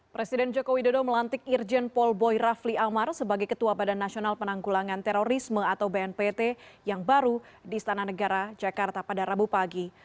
presiden joko widodo melantik irjen paul boy rafli amar sebagai ketua badan nasional penanggulangan terorisme atau bnpt yang baru di istana negara jakarta pada rabu pagi